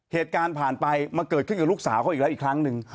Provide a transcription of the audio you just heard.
เหตุการณ์ผ่านไปมาเกิดขึ้นกับลูกสาวเขาอีกแล้วอีกครั้งหนึ่ง